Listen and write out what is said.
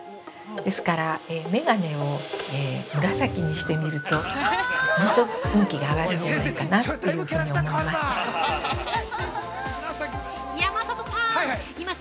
ですから、眼鏡を紫にしてみると、ぐっと運気が上がるんじゃないかなっていうふうに思います。